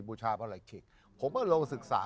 บุชาประหลักฐิกษ์ผมก็ลงศึกษา